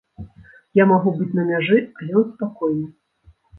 Я магу быць на мяжы, а ён спакойны.